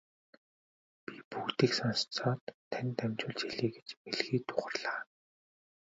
Би бүгдийг сонсоод танд дамжуулж хэлье гэж мэлхий дуугарлаа.